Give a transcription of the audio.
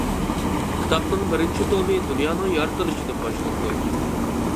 كىتابنىڭ بىرىنچى تومى دۇنيانىڭ يارىتىلىشىدىن باشلىنىدۇ.